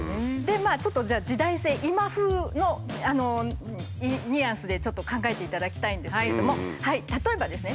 ちょっとじゃあ時代性今風のニュアンスでちょっと考えていただきたいんですけれども例えばですね